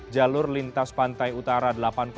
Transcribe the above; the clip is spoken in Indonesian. jalur lintas pantai utara delapan dua